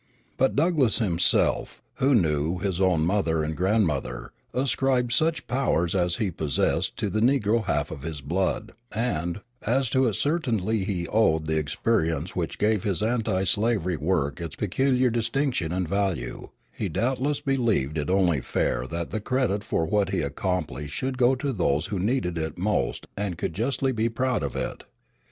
But Douglass himself, who knew his own mother and grandmother, ascribed such powers as he possessed to the negro half of his blood; and, as to it certainly he owed the experience which gave his anti slavery work its peculiar distinction and value, he doubtless believed it only fair that the credit for what he accomplished should go to those who needed it most and could justly be proud of it.